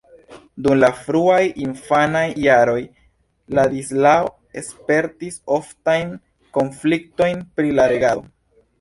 Dum la fruaj infanaj jaroj Ladislao spertis oftajn konfliktojn pri la regado.